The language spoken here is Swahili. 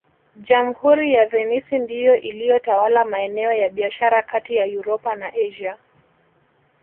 Jamhuri ya Venisi ndiyo iliyotawala maeneo ya biashara kati ya Uropa na Asia